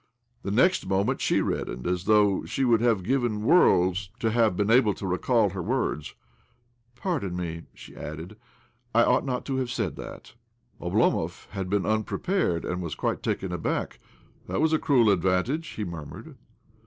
The next moment she reddened as though she would have given worlds to have been able to recall her words. "Pardon me," she added. "I ought not to have said that." OBLOMOV 171 Oblomov had been unprepared, and was quite taken aback. " That was a cruel advantage," he mur mured.